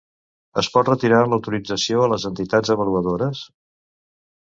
Es pot retirar l'autorització a les entitats avaluadores?